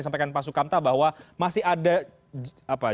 disampaikan pak sukamta bahwa masih ada